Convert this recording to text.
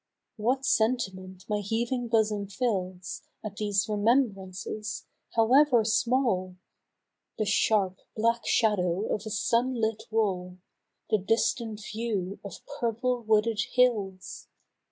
What sentiment my heaving bosom fills At these remembrances, however small ! The sharp black shadow of a sun lit wall, The distant view of purple wooded hills